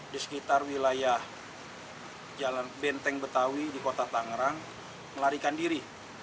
di sekitar wilayah jalan benteng betawi di kota tangerang melarikan diri